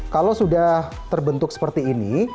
kalau sudah terbentuk seperti ini